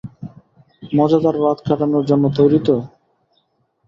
মজাদার রাত কাটানোর জন্য তৈরি তো?